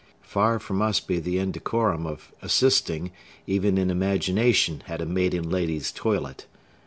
Far from us be the indecorum of assisting, even in imagination, at a maiden lady's toilet!